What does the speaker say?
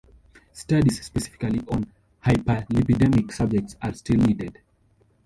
Studies specifically on hyperlipidemic subjects are still needed.